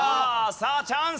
さあチャンス！